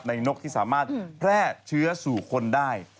นกที่สามารถแพร่เชื้อสู่คนได้